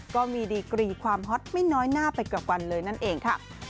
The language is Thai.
ก็มีดีกรีความฮอตไม่น้อยหน้าไปกับวันเลยนั่นเองค่ะ